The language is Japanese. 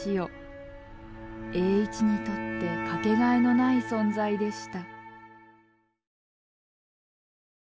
栄一にとって掛けがえのない存在でした。